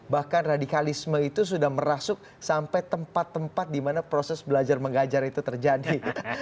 bahkan radikalisme itu sudah merasuk sampai tempat tempat di mana proses belajar mengajar itu terjadi